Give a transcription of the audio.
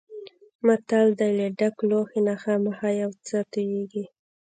متل دی: له ډک لوښي نه خامخا یو څه تویېږي.